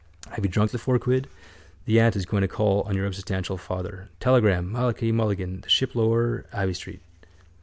Have you drunk the four quid? The aunt is going to call on your unsubstantial father. Telegram! Malachi Mulligan, The Ship, lower Abbey street.